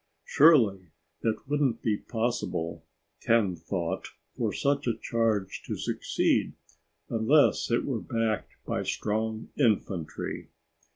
Surely it wouldn't be possible, Ken thought, for such a charge to succeed unless it were backed by strong infantry.